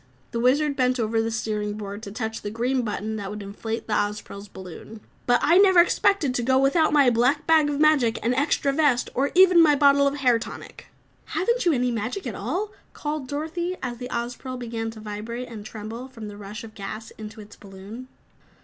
The Wizard bent over the steering board to touch the green button that would inflate the Ozpril's balloon. "But I never expected to go without my black bag of magic, an extra vest, or even my bottle of hair tonic." "Haven't you any magic at all?" called Dorothy, as the Ozpril began to vibrate and tremble from the rush of gas into its balloon.